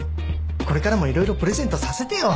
これからもいろいろプレゼントさせてよ。